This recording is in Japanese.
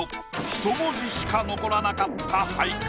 一文字しか残らなかった俳句。